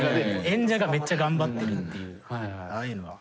演者がめっちゃ頑張ってるっていうああいうのが。